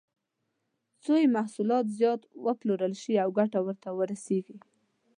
څو یې محصولات زیات وپلورل شي او ګټه ورته ورسېږي.